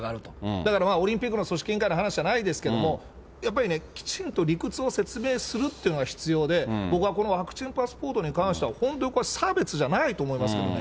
だからオリンピックの組織委員会の話じゃないですけども、やっぱりね、きちんと理屈を説明するっていうのが必要で、僕はこのワクチンパスポートに関しては、本当に僕は差別じゃないと思いますけどね。